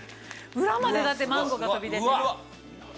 裏までだってマンゴーが飛び出てる。